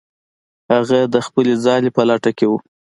هغه د خپلې ځالې په لټه کې و.